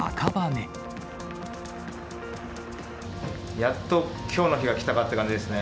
やっときょうの日が来たかって感じですね。